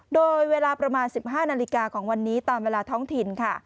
โดยเวลาประมาณ๑๕นาฬิกาของวันนี้ตามเวลาท้องถิ่นค่ะ